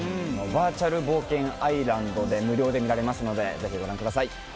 バーチャル冒険アイランドで無料で見られますのでぜひご覧ください。